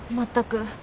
全く。